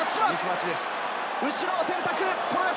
後ろを選択。